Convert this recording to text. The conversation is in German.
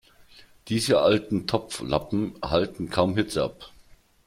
Diese alten Topflappen halten kaum Hitze ab.